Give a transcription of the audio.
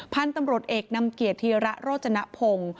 พันธุ์ตำรวจเอกนำเกียรติธีระโรจนพงศ์